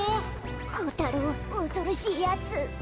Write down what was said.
コタロウおそろしいヤツ。